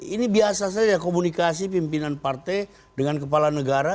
ini biasa saja komunikasi pimpinan partai dengan kepala negara